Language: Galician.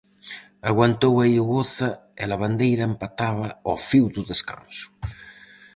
Aguantou aí o Oza e Lavandeira empataba ao fío do descanso.